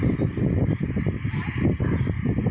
โอ้โหเป็นเกิดขึ้นกันก่อนค่ะ